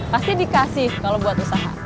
pasti dikasih kalau buat usaha